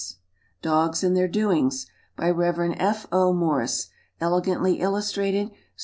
Dogs and their Doings. By Rev. F. O. MORRIS. Elegantly Illustrated.